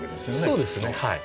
そうですね。